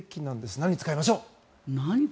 何を使いましょう？